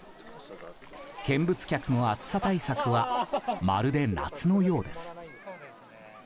見物客の暑さ対策はまるで夏のようです。